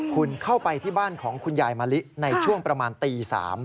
คุณเข้าไปที่บ้านของคุณยายมะลิในช่วงประมาณตี๓